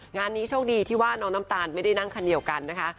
งานนี้โชคดีที่ว่าน้องน้ำตาลไม่ได้นั่งคันเดียวกันนะคะ